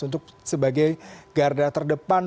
untuk sebagai garda terdepan